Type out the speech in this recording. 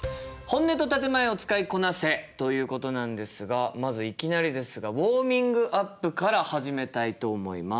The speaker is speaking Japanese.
ということなんですがまずいきなりですがウォーミングアップから始めたいと思います。